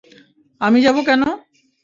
আমি যাবো কেন?